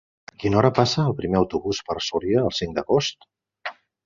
A quina hora passa el primer autobús per Súria el cinc d'agost?